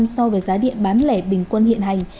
so với giá điện bán lẻ bình quân hiện hành